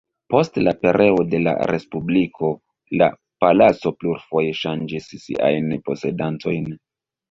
Post la pereo de la respubliko la palaco plurfoje ŝanĝis siajn posedantojn.